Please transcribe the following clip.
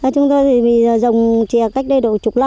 chúng tôi thì dùng chè cách đây